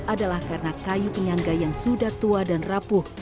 adalah karena kayu penyangga yang sudah tua dan rapuh